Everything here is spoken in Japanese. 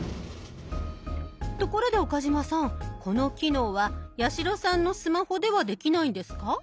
ところで岡嶋さんこの機能は八代さんのスマホではできないんですか？